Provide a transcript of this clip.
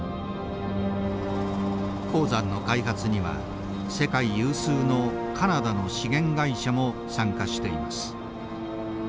鉱山の開発には世界有数のカナダの資源会社も参加しています。